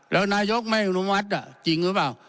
แล้วนายกไม่อนุมัติจริงหรือเปล่า